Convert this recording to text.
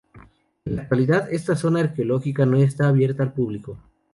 En la actualidad, esta zona arqueológica no está abierta al público.